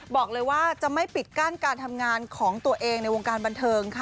บอกเลยว่าจะไม่ปิดกั้นการทำงานของตัวเองในวงการบันเทิงค่ะ